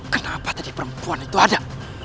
kenapa tadi perempuan itu ada